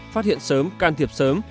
một phát hiện sớm can thiệp sớm